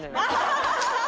ハハハハ！